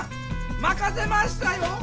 まかせましたよ！